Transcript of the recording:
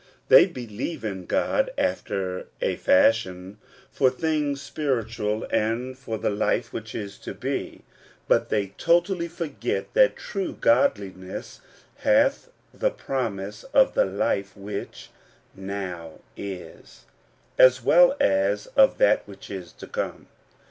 They believe in God, after a fashion, for things spiritual, and for the life which is to be ; but they totally forget that true godliness hath the promise of the life which now is, as well as of that which is to come.